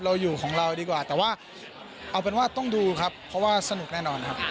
อยู่ของเราดีกว่าแต่ว่าเอาเป็นว่าต้องดูครับเพราะว่าสนุกแน่นอนครับ